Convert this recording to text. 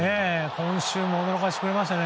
今週も驚かせてくれますね。